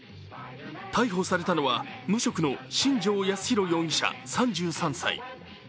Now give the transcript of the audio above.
逮捕されたのは無職の新城康浩容疑者３３歳。